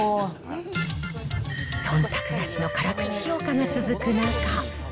そんたくなしの辛口評価が続く中。